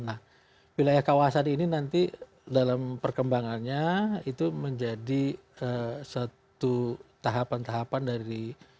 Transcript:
nah wilayah kawasan ini nanti dalam perkembangannya itu menjadi satu tahapan tahapan dari